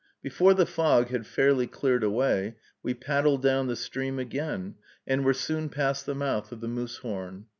Before the fog had fairly cleared away we paddled down the stream again, and were soon past the mouth of the Moosehorn.